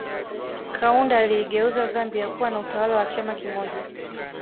Kaunda aliigeuza Zambia kuwa na utawala wa chama kimoja